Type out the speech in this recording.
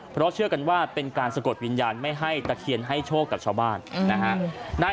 เพราะเชื่อกันว่าเป็นการสะกดวิญญาณไม่ให้ตะเคียนให้โชคกับชาวบ้านนะฮะ